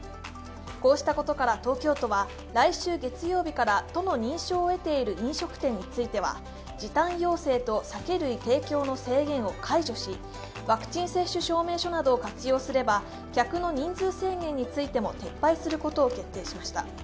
こうしたことから東京都は来週月曜日から都の認証を得ている飲食店については時短要請と酒類提供の制限を解除しワクチン接種証明書を活用すれば客の人数制限についても撤廃することを決定しました。